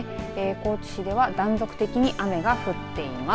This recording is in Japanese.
高知市では断続的に雨が降っています。